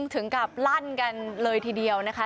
ถึงกับลั่นกันเลยทีเดียวนะคะ